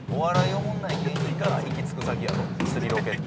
おもんない芸人が行き着く先やろ釣りロケって。